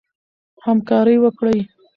همکاري وکړئ.